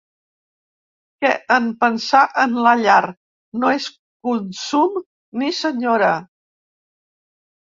Que en pensar en la llar, no es consum ni s'enyora.